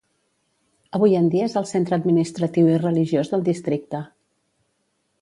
Avui en dia és el centre administratiu i religiós del districte.